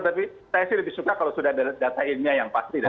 tapi saya sih lebih suka kalau sudah ada data ilmiah yang pasti